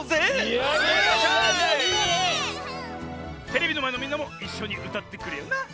テレビのまえのみんなもいっしょにうたってくれよな。